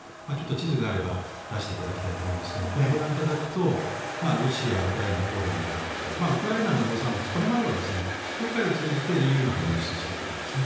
地図があれば出していただきたいと思いますがこれをご覧いただくとロシア、ウクライナポーランドとあってウクライナの農産物これまでは黒海を通じてＥＵのほうに輸出していたわけですね。